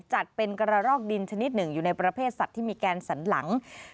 จัดเป็นกระรอกดินชนิดหนึ่งอยู่ในประเภทสัตว์ที่มีแกนสันหลัง